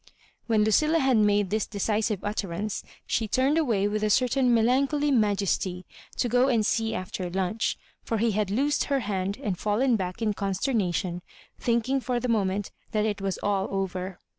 When Lucilla iiad made this decisive utterance she turned away with a certain melancholy ma jesty to go and see after lunch — for he bad loosed ber hand and fidlen back in consternation, think ing for the moment that it was all over.